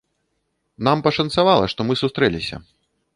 Нам пашанцавала, што мы сустрэліся.